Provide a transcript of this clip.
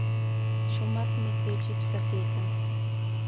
Shumaqmi kay chipsha kaykan.